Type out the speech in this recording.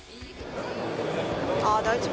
あ大丈夫。